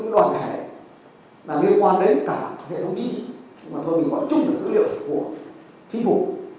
nhưng mà thôi mình còn chung được dữ liệu của chính phủ